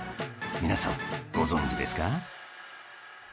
皆さんご存じですか？